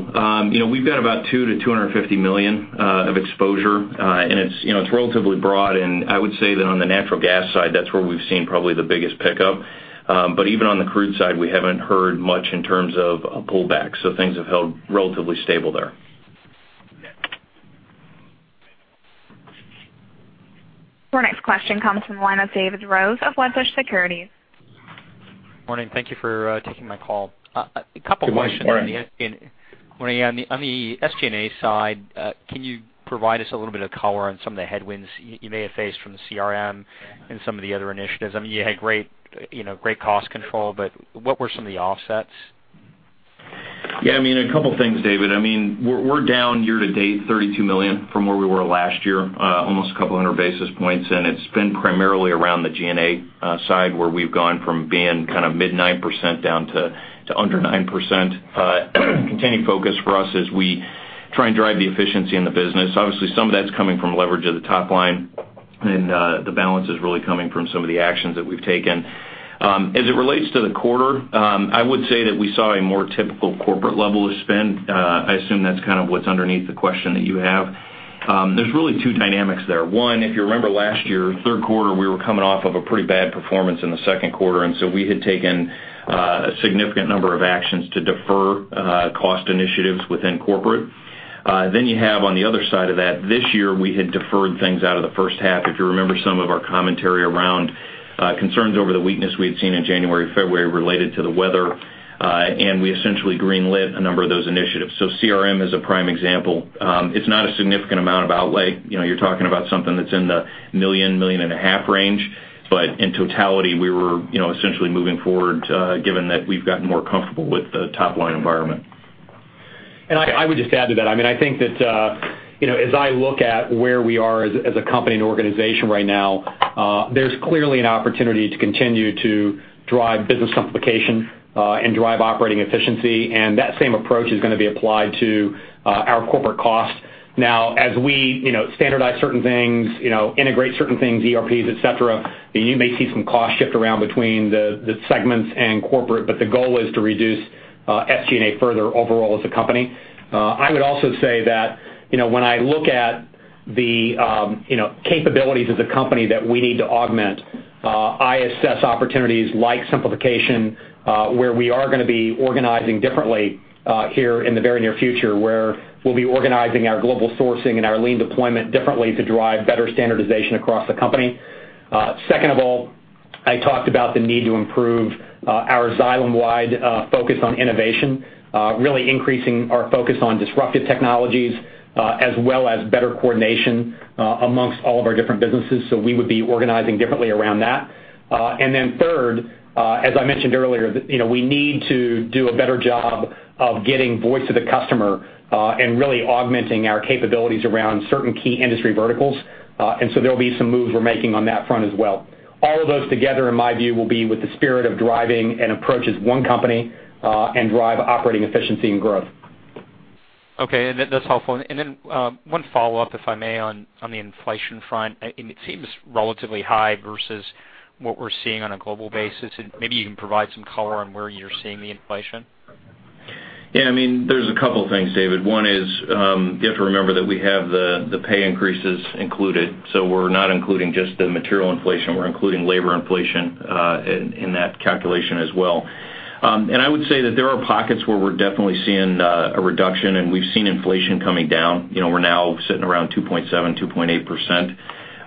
We've got about $200 million-$250 million of exposure. It's relatively broad, and I would say that on the natural gas side, that's where we've seen probably the biggest pickup. Even on the crude side, we haven't heard much in terms of a pullback, so things have held relatively stable there. Our next question comes from the line of David Rose of Wedbush Securities. Morning. Thank you for taking my call. Good morning. A couple questions. On the SG&A side, can you provide us a little bit of color on some of the headwinds you may have faced from the CRM and some of the other initiatives? You had great cost control, but what were some of the offsets? Yeah, a couple things, David. We're down year-to-date, $32 million from where we were last year, almost a couple of hundred basis points. It's been primarily around the G&A side where we've gone from being mid 9% down to under 9%. Continuing focus for us as we try and drive the efficiency in the business. Obviously, some of that's coming from leverage of the top line. The balance is really coming from some of the actions that we've taken. As it relates to the quarter, I would say that we saw a more typical corporate level of spend. I assume that's what's underneath the question that you have. There's really two dynamics there. If you remember last year, Q3, we were coming off of a pretty bad performance in the Q2, and so we had taken a significant number of actions to defer cost initiatives within corporate. You have on the other side of that, this year, we had deferred things out of the first half. If you remember some of our commentary around concerns over the weakness we had seen in January, February related to the weather, and we essentially greenlit a number of those initiatives. CRM is a prime example. It's not a significant amount outlay. You're talking about something that's in the million and a half range. In totality, we were essentially moving forward, given that we've gotten more comfortable with the top-line environment. I would just add to that, I think that as I look at where we are as a company and organization right now, there's clearly an opportunity to continue to drive business simplification and drive operating efficiency, and that same approach is going to be applied to our corporate cost. Now, as we standardize certain things, integrate certain things, ERPs, et cetera, you may see some cost shift around between the segments and corporate, but the goal is to reduce SG&A further overall as a company. I would also say that, when I look at the capabilities as a company that we need to augment, I assess opportunities like simplification, where we are going to be organizing differently here in the very near future, where we'll be organizing our global sourcing and our Lean deployment differently to drive better standardization across the company. I talked about the need to improve our Xylem-wide focus on innovation, really increasing our focus on disruptive technologies, as well as better coordination amongst all of our different businesses, so we would be organizing differently around that. Third, as I mentioned earlier, we need to do a better job of getting voice of the customer, and really augmenting our capabilities around certain key industry verticals. There'll be some moves we're making on that front as well. All of those together, in my view, will be with the spirit of driving and approach as one company, and drive operating efficiency and growth. Okay. That's helpful. One follow-up, if I may, on the inflation front. It seems relatively high versus what we're seeing on a global basis. Maybe you can provide some color on where you're seeing the inflation. Yeah. There's a couple things, David. One is, you have to remember that we have the pay increases included. We're not including just the material inflation, we're including labor inflation in that calculation as well. I would say that there are pockets where we're definitely seeing a reduction, and we've seen inflation coming down. We're now sitting around 2.7%-2.8%.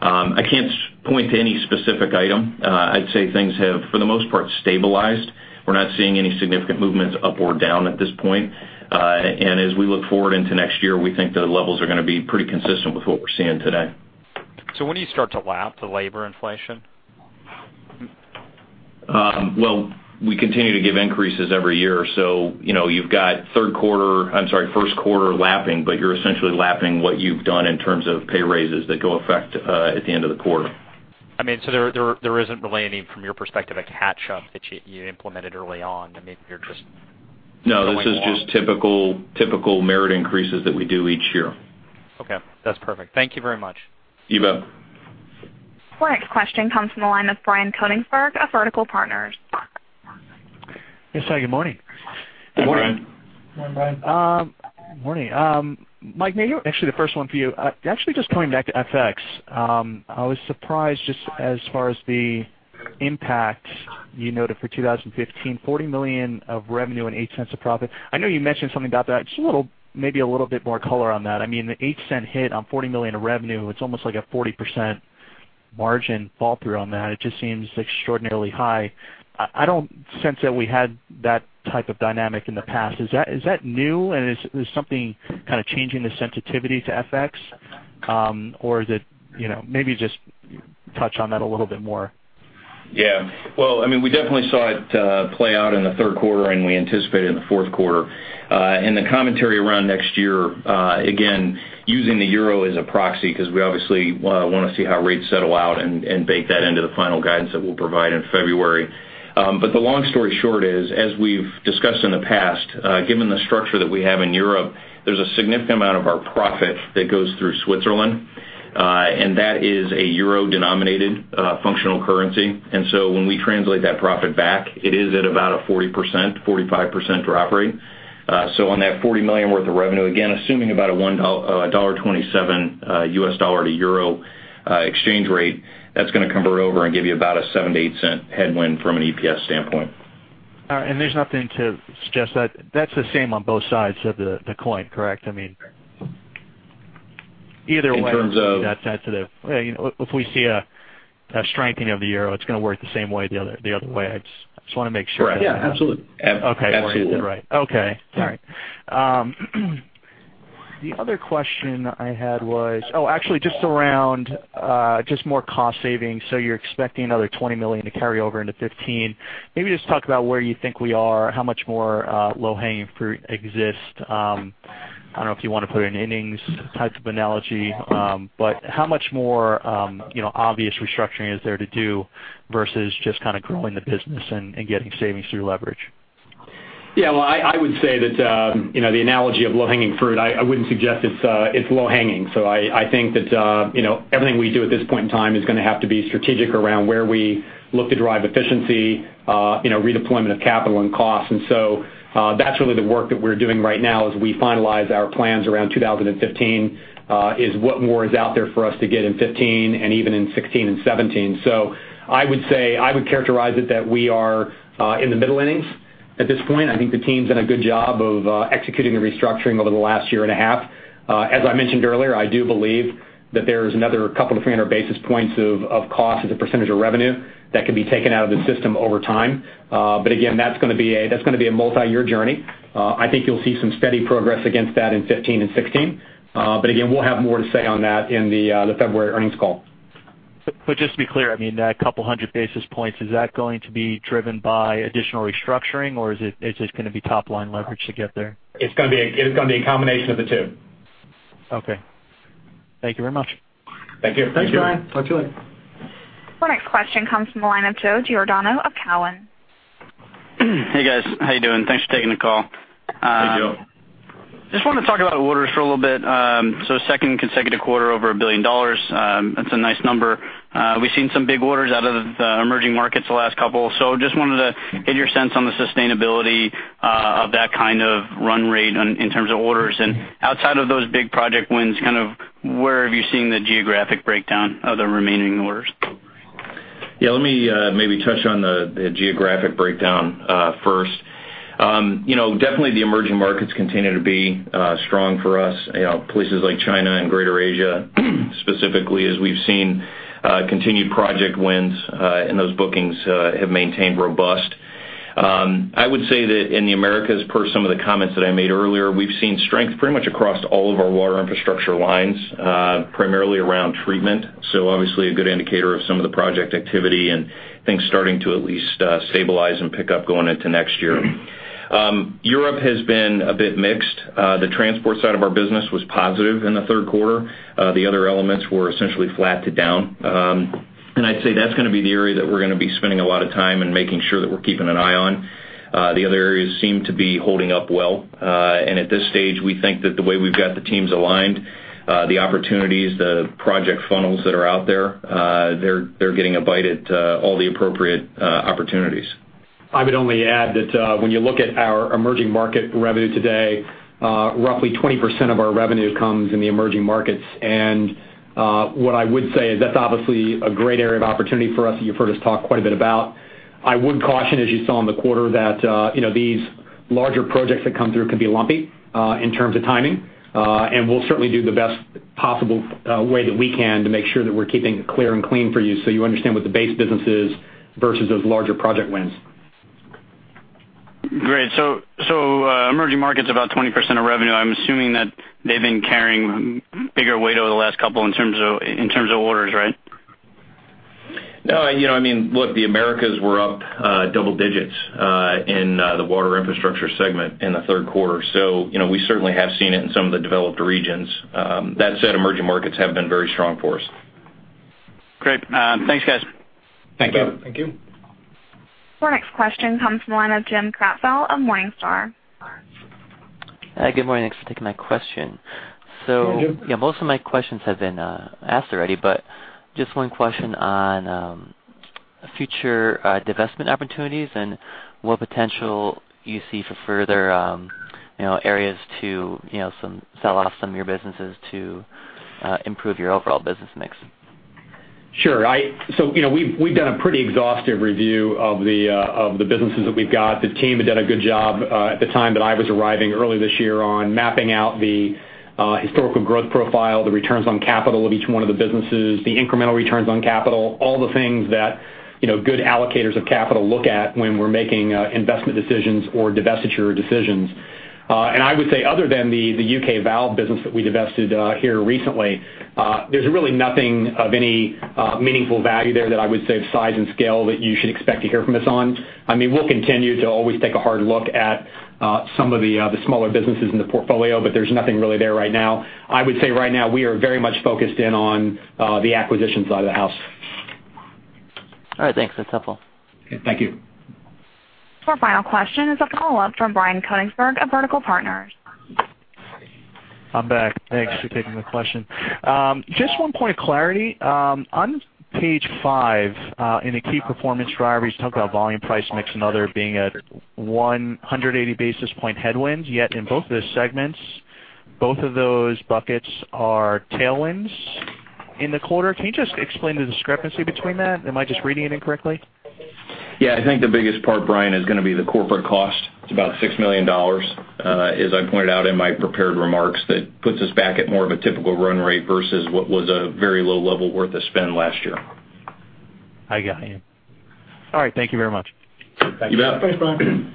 I can't point to any specific item. I'd say things have, for the most part, stabilized. We're not seeing any significant movements up or down at this point. As we look forward into next year, we think the levels are going to be pretty consistent with what we're seeing today. When do you start to lap the labor inflation? Well, we continue to give increases every year, so you've got first quarter lapping, but you're essentially lapping what you've done in terms of pay raises that go effect at the end of the quarter. There isn't really any, from your perspective, a catch-up that you implemented early on, and maybe you're just- No, this is just- going along typical merit increases that we do each year. Okay. That's perfect. Thank you very much. You bet. Our next question comes from the line of Brian Konigsberg of Vertical Research Partners. Yes, hi, good morning. Good morning. Good morning, Brian. Morning. Mike, maybe actually the first one for you. Actually, just coming back to FX. I was surprised just as far as the impact you noted for 2015, $40 million of revenue and $0.08 of profit. I know you mentioned something about that. Just maybe a little bit more color on that. The $0.08 hit on $40 million of revenue, it's almost like a 40% margin fall through on that. It just seems extraordinarily high. I don't sense that we had that type of dynamic in the past. Is that new, and is something kind of changing the sensitivity to FX? Maybe just touch on that a little bit more. Yeah. Well, we definitely saw it play out in the third quarter, and we anticipate it in the fourth quarter. In the commentary around next year, again, using the EUR as a proxy, because we obviously want to see how rates settle out and bake that into the final guidance that we'll provide in February. The long story short is, as we've discussed in the past, given the structure that we have in Europe, there's a significant amount of our profit that goes through Switzerland. That is a EUR-denominated functional currency. When we translate that profit back, it is at about a 40%-45% drop rate. So on that $40 million worth of revenue, again, assuming about a $1.27 U.S. dollar to EUR exchange rate, that's going to convert over and give you about a $0.07 to $0.08 headwind from an EPS standpoint. All right. There's nothing to suggest That's the same on both sides of the coin, correct? Either way- In terms of- If we see a strengthening of the euro, it's going to work the same way the other way. I just want to make sure. Yeah, absolutely. Okay. Absolutely. All right. Okay. The other question I had actually, just around more cost savings. You're expecting another $20 million to carry over into 2015. Maybe just talk about where you think we are, how much more low-hanging fruit exists. I don't know if you want to put an innings type of analogy. How much more obvious restructuring is there to do versus just kind of growing the business and getting savings through leverage? Yeah, well, I would say that the analogy of low-hanging fruit, I wouldn't suggest it's low-hanging. I think that everything we do at this point in time is going to have to be strategic around where we look to drive efficiency, redeployment of capital and cost. That's really the work that we're doing right now as we finalize our plans around 2015, is what more is out there for us to get in 2015 and even in 2016 and 2017. I would characterize it that we are in the middle innings at this point. I think the team's done a good job of executing the restructuring over the last year and a half. As I mentioned earlier, I do believe that there is another couple of 300 basis points of cost as a percentage of revenue that can be taken out of the system over time. Again, that's going to be a multi-year journey. I think you'll see some steady progress against that in 2015 and 2016. Again, we'll have more to say on that in the February earnings call. Just to be clear, that couple hundred basis points, is that going to be driven by additional restructuring or is it just going to be top-line leverage to get there? It's going to be a combination of the two. Okay. Thank you very much. Thank you. Thanks, Brian. Talk to you later. Our next question comes from the line of Joe Giordano of Cowen. Hey, guys. How you doing? Thanks for taking the call. Hey, Joe. Just wanted to talk about orders for a little bit. Second consecutive quarter over $1 billion. That's a nice number. We've seen some big orders out of the emerging markets the last couple, just wanted to get your sense on the sustainability of that kind of run rate in terms of orders. Outside of those big project wins, where have you seen the geographic breakdown of the remaining orders? Yeah, let me maybe touch on the geographic breakdown first. Definitely the emerging markets continue to be strong for us. Places like China and Greater Asia specifically, as we've seen continued project wins, and those bookings have maintained robust. I would say that in the Americas, per some of the comments that I made earlier, we've seen strength pretty much across all of our Water Infrastructure lines, primarily around treatment. Obviously a good indicator of some of the project activity and things starting to at least stabilize and pick up going into next year. Europe has been a bit mixed. The transport side of our business was positive in the third quarter. The other elements were essentially flat to down. I'd say that's going to be the area that we're going to be spending a lot of time and making sure that we're keeping an eye on. The other areas seem to be holding up well. At this stage, we think that the way we've got the teams aligned, the opportunities, the project funnels that are out there, they're getting a bite at all the appropriate opportunities. I would only add that when you look at our emerging market revenue today, roughly 20% of our revenue comes in the emerging markets. What I would say is that's obviously a great area of opportunity for us, and you've heard us talk quite a bit about. I would caution, as you saw in the quarter, that these larger projects that come through can be lumpy in terms of timing. We'll certainly do the best possible way that we can to make sure that we're keeping it clear and clean for you so you understand what the base business is versus those larger project wins. Great. Emerging market's about 20% of revenue. I'm assuming that they've been carrying bigger weight over the last couple in terms of orders, right? No. Look, the Americas were up double digits in the Water Infrastructure segment in the third quarter. We certainly have seen it in some of the developed regions. That said, emerging markets have been very strong for us. Great. Thanks, guys. Thank you. Thank you. Our next question comes from the line of Jim Krapfel of Morningstar. Hi. Good morning. Thanks for taking my question. Hey, Jim. Yeah, most of my questions have been asked already, but just one question on future divestment opportunities and what potential you see for further areas to sell off some of your businesses to improve your overall business mix. Sure. We've done a pretty exhaustive review of the businesses that we've got. The team had done a good job at the time that I was arriving early this year on mapping out the historical growth profile, the returns on capital of each one of the businesses, the incremental returns on capital, all the things that good allocators of capital look at when we're making investment decisions or divestiture decisions. I would say other than the UK Valves business that we divested here recently, there's really nothing of any meaningful value there that I would say of size and scale that you should expect to hear from us on. We'll continue to always take a hard look at some of the smaller businesses in the portfolio, but there's nothing really there right now. I would say right now we are very much focused in on the acquisition side of the house. All right, thanks. That's helpful. Thank you. Our final question is a follow-up from Brian Konigsberg of Vertical Research Partners. I'm back. Thanks for taking the question. Just one point of clarity. On page five, in the key performance drivers, you talk about volume, price, mix, and other being at 180 basis point headwinds. In both those segments, both of those buckets are tailwinds in the quarter. Can you just explain the discrepancy between that? Am I just reading it incorrectly? I think the biggest part, Brian, is going to be the corporate cost. It's about $6 million. As I pointed out in my prepared remarks, that puts us back at more of a typical run rate versus what was a very low level worth of spend last year. I got you. All right. Thank you very much. Thank you. Thanks, Brian.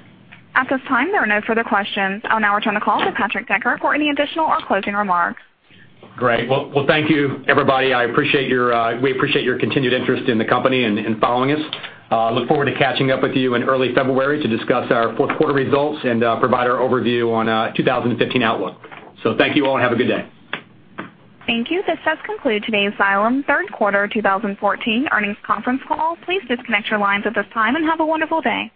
At this time, there are no further questions. I'll now return the call to Patrick Decker for any additional or closing remarks. Great. Well, thank you, everybody. We appreciate your continued interest in the company and following us. Look forward to catching up with you in early February to discuss our fourth quarter results and provide our overview on 2015 outlook. Thank you all, and have a good day. Thank you. This does conclude today's Xylem Third Quarter 2014 earnings conference call. Please disconnect your lines at this time, and have a wonderful day.